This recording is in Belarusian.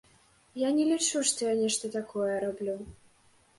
Я не лічу, што я нешта такое раблю.